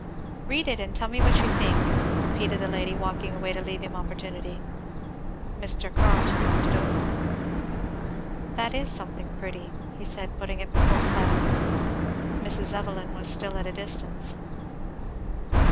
"Read it and tell me what you think!" repeated the lady, walking away to leave him opportunity. Mr. Carleton looked it over. "That is something pretty," he said putting it before Fleda. Mrs. Evelyn was still at a distance.